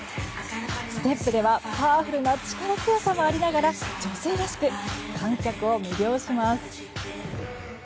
ステップではパワフルな力で回りながら女性らしく観客を魅了します。